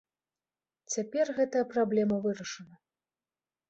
Цяпер гэтая праблема вырашана.